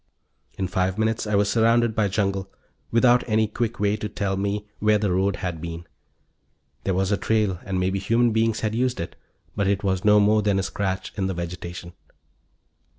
In five minutes I was surrounded by jungle, without any quick way to tell me where the road had been. There was a trail, and maybe human beings had used it, but it was no more than a scratch in the vegetation.